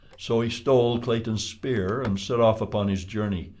So he stole Clayton's spear and set off upon his journey.